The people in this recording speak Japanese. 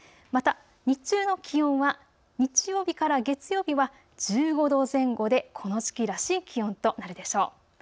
また、日中の気温は日曜日から月曜日は１５度前後でこの時期らしい気温となるでしょう。